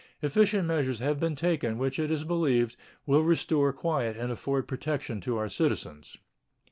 Efficient measures have been taken, which, it is believed, will restore quiet and afford protection to our citizens.